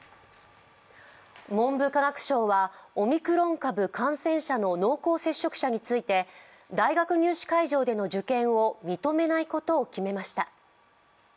文部科学省はオミクロン株感染者の濃厚接触者について大学入試会場での受験を認めないことを決めました。